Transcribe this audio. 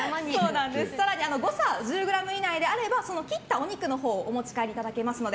誤差１０ｇ以内であれば切ったお肉のほうをお持ち帰りいただけますので。